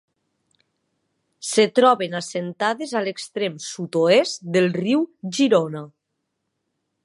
Es troben assentades a l'extrem Sud-oest del riu Girona.